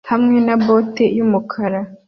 hamwe na bote yumukara